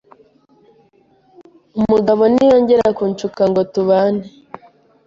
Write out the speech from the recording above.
umugabo niyongera kunshuka ngo tubane